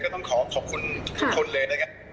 ต้องขอขอบคุณทุกคนเลยนะครับ